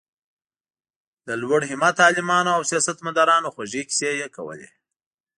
د لوړ همته عالمانو او سیاست مدارانو خوږې کیسې یې کولې.